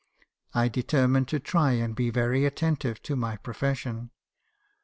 I determined to try and be very attentive to my profession.